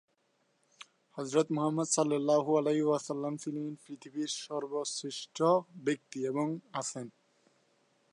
শিবলী সাদিক পরিচালিত "তিন কন্যা" চলচ্চিত্রের মাধ্যমে চম্পা চলচ্চিত্রের জগতে আগমন করেন।